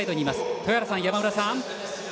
豊原さん、山村さん。